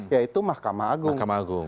yaitu mahkamah agung